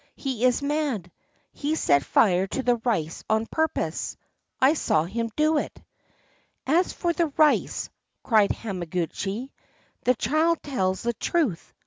"He is mad. He set fire to the rice on purpose: I saw him do it!" "As for the rice," cried Hamaguchi, "the child tells the truth.